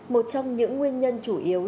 một trong những nguyên nhân chủ yếu